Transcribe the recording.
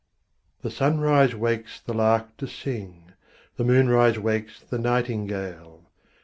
The sunrise wakes the lark to sing, The moonrise wakes the nightingale.